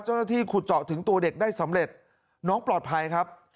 เจ้าหน้าที่ขุดเจาะถึงตัวเด็กได้สำเร็จน้องปลอดภัยครับ